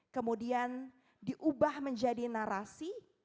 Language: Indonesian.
kemudian diubah menjadi narasi